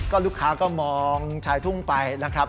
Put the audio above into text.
ก็ลูกค้าก็มองชายทุ่งไปนะครับ